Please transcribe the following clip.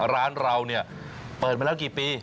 ร้านเราเปิดมาแล้วกี่ปี